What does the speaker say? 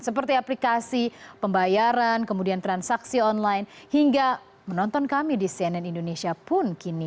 seperti aplikasi pembayaran kemudian transaksi online hingga menonton kami di cnn indonesia pun kini